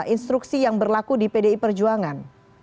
instruksi yang berlaku di pdi perjuangan